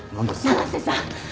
七瀬さん